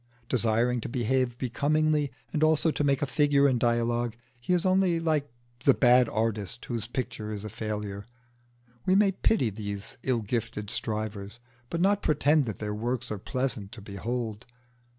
Desiring to behave becomingly and also to make a figure in dialogue, he is only like the bad artist whose picture is a failure. We may pity these ill gifted strivers, but not pretend that their works are pleasant to behold.